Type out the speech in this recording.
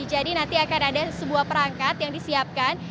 jadi nanti akan ada sebuah perangkat yang disiapkan